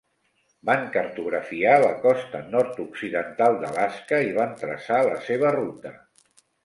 Van cartografiar la costa nord-occidental d'Alaska i van traçar la seva ruta.